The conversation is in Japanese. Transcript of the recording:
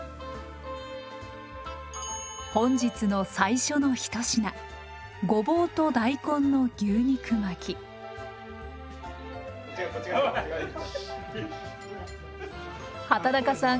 本日の最初の一品畠中さん